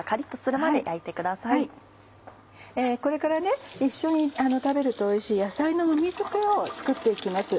これから一緒に食べるとおいしい野菜のもみ漬けを作って行きます。